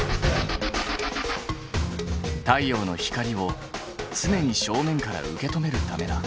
太陽の光を常に正面から受け止めるためだ。